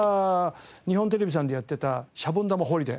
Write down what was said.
日本テレビさんでやってた『シャボン玉ホリデー』。